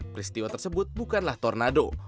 peristiwa tersebut bukanlah tornado